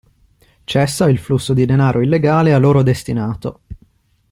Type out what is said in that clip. Cessa il flusso di denaro illegale a loro destinato.